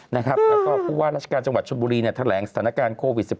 แล้วก็ผู้ว่าราชการจังหวัดชนบุรีแถลงสถานการณ์โควิด๑๙